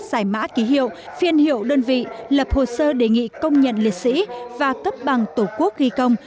giải mã ký hiệu phiên hiệu đơn vị lập hồ sơ đề nghị công nhận liệt sĩ và cấp bằng tổ quốc ghi công